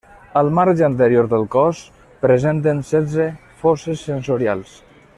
Al marge anterior del cos presenten setze fosses sensorials.